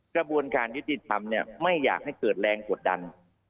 กระบวนการยุติธรรมไม่อยากให้เกิดแรงกดดัน